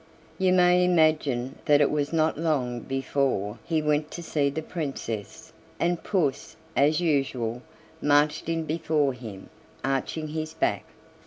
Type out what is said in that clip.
You may imagine that it was not long before he went to see the Princess, and puss, as usual, marched in before him, arching his back.